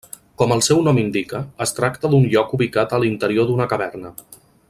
Com el seu nom indica, es tracta d'un lloc ubicat a l'interior d'una caverna.